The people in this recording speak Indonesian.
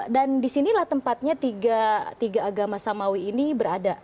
dan di sinilah tempatnya tiga agama samawi ini berada